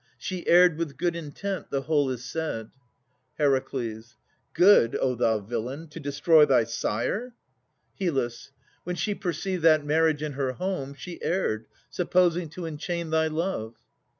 She erred with good intent. The whole is said. HER. Good, O thou villain, to destroy thy sire! HYL. When she perceived that marriage in her home, She erred, supposing to enchain thy love.